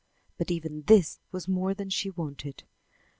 But even this was more than she wanted.